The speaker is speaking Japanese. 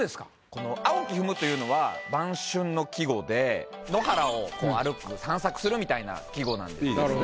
この「青き踏む」というのは晩春の季語で野原を歩く散策するみたいな季語なんですよね。